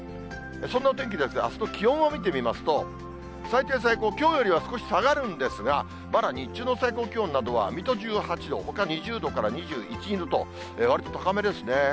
そんなお天気ですが、あすの気温を見てみますと、最低、最高、きょうよりは少し下がるんですが、まだ日中の最高気温などは水戸１８度、ほか２０度から２１、２度と、わりと高めですね。